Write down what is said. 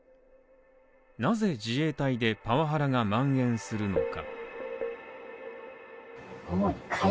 なぜ自衛隊でパワハラが蔓延するのか。